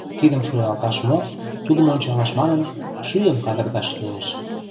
Кидым шуялташ мо, тудым ончалаш манын, шӱйым кадырташ кӱлеш.